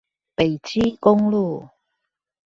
北基公路